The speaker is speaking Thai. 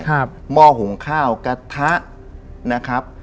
หม้อหุงข้าวกระทะนะครับ